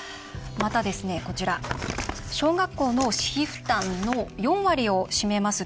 また、小学校の私費負担の４割を占めます